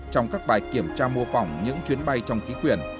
trong các bài kiểm tra mô phỏng những chuyến bay trong khí quyển